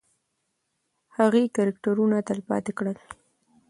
هغې کرکټرونه تلپاتې کړل.